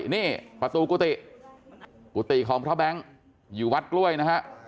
นี่ประตูกุฏิกุฏิของพระแบงค์อยู่วัดกล้วยนะฮะ